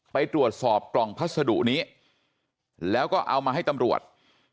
ไปตรวจสอบกล่องพัสดุนี้แล้วก็เอามาให้ตำรวจ